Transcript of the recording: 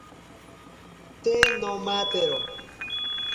Te nomatero.